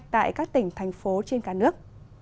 tại các tỉnh thành phố trên cả nước